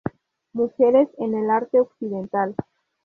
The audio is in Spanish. Mujeres en el Arte Occidental.